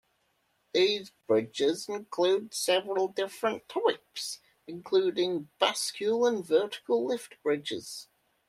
These bridges include several different types, including bascule and vertical lift bridges.